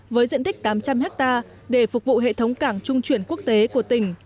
với diện tích tám trăm linh hectare để phục vụ hệ thống cảng trung chuyển quốc tế của tỉnh